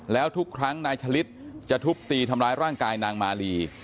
แล้วทุกครั้งนายฉลิดจะทุบตีทำร้ายร่างกายนางมาลี